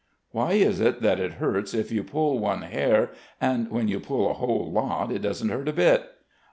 "Why is it that it hurts if you pull one hair, and when you pull a whole lot, it doesn't hurt a bit?